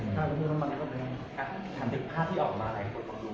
ถ้าคุณพูดว่ามันก็เป็นไง